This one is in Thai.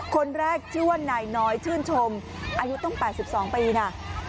คนแรกชื่อว่านายน้อยชื่นชมอายุต้อง๘๒ปีนะ